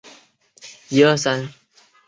穆图人口变化图示